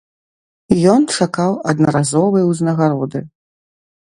Ён чакаў аднаразовай узнагароды.